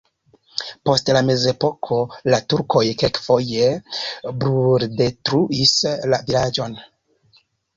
Post la mezepoko la turkoj kelkfoje bruldetruis la vilaĝon.